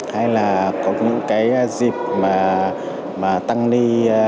hay là có những dịp mà tăng ni